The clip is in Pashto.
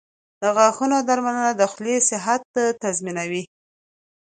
• د غاښونو درملنه د خولې صحت تضمینوي.